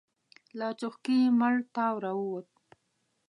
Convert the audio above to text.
له څوښکي يې مړ تاو راووت.